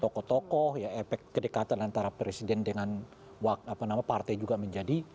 tokoh tokoh ya efek kedekatan antara presiden dengan partai juga menjadi